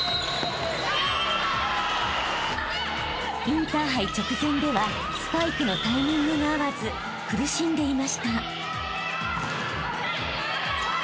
［インターハイ直前ではスパイクのタイミングが合わず苦しんでいました］